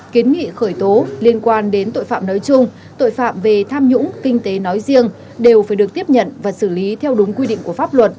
kiến nghị khởi tố liên quan đến tội phạm nói chung tội phạm về tham nhũng kinh tế nói riêng đều phải được tiếp nhận và xử lý theo đúng quy định của pháp luật